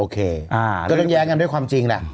ก็ต้องแย้งกันด้วยความจริงแหละ